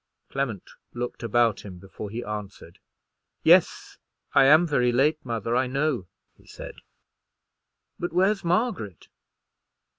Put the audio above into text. Clement looked about him before he answered. "Yes, I am very late, mother, I know," he said; "but where's Margaret?"